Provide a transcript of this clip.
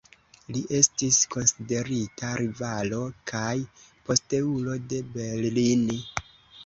Li estis konsiderita rivalo kaj posteulo de Bellini.